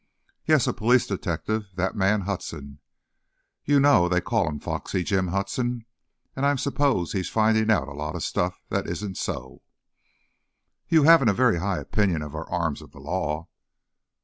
"Yes, a police detective, that man, Hudson. You know they call him Foxy Jim Hudson, and I suppose he's finding out a lot of stuff that isn't so!" "You haven't a very high opinion of our arms of the law."